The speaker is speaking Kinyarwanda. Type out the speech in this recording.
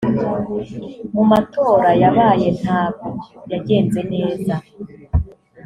mu matora yabaye ntago yagenze neza